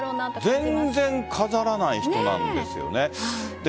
全然飾らない人なんですよね。